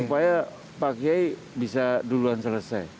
jadi pak kiai bisa duluan selesai